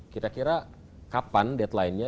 kira kira kapan deadlinenya